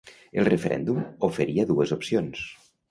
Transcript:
El referèndum oferia dues opcions.